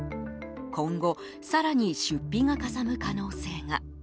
今後、更に出費がかさむ可能性が。